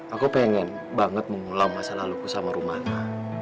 aku pengen banget mengulang masa laluku sama rumahnya